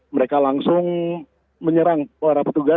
mereka langsung menyerang para petugas